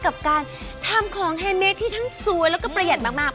กับการทำของเฮเมดที่ทั้งสวยแล้วก็ประหยัดมาก